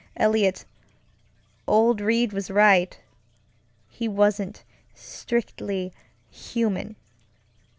EliotŌĆöold Reid was right. He wasn't strictly human.